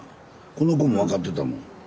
この子も分かってたもん。